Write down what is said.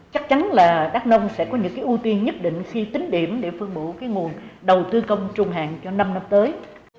chắc chắn là đắk nông sẽ có những ưu tiên nhất định khi tính điểm để phương bổ nguồn đầu tư công trung hạn cho năm năm tới